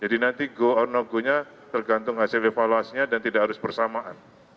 jadi nanti go or no go nya tergantung hasil evaluasinya dan tidak harus bersamaan